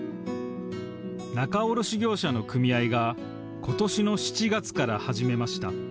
仲卸業者の組合が今年の７月から始めました。